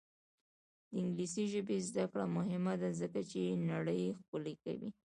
د انګلیسي ژبې زده کړه مهمه ده ځکه چې نړۍ ښکلې کوي.